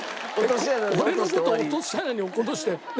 俺の事落とし穴に落っことして何？